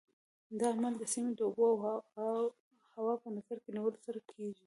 دا عمل د سیمې د اوبو او هوا په نظر کې نیولو سره کېږي.